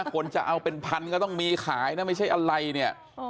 คนจะเอาเป็นพันก็ต้องมีขายนะไม่ใช่อะไรเนี่ย